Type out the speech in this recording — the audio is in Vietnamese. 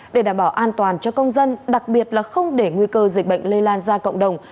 để đảm bảo an toàn cho công dân đặc biệt là không để nguy cơ dịch bệnh lây lan ra cộng đồng